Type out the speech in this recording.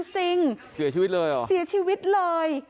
จริงเสียชีวิตเลย